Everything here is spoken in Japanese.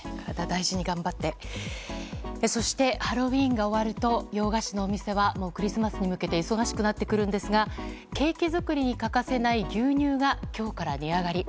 そしてハロウィーンが終わると洋菓子のお店はもうクリスマスに向けて忙しくなってくるんですがケーキ作りに欠かせない牛乳が今日から値上がり。